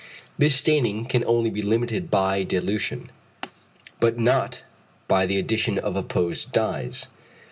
This staining can only be limited by dilution, but not by the addition of opposed dyes.